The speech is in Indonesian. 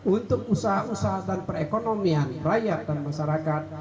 untuk usaha usaha dan perekonomian rakyat dan masyarakat